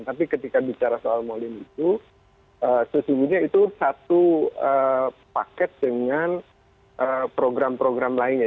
tapi ketika bicara soal molin itu sesungguhnya itu satu paket dengan program program lainnya